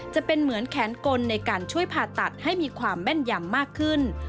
จะเป็นเหมือนแขนกลในการช่วยผ่าตัดให้มีความแม่นยำมากขึ้น